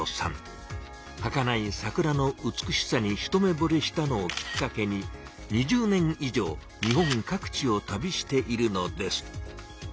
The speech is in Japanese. はかない桜の美しさに一目ぼれしたのをきっかけに２０年以上日本各地を旅しているのです。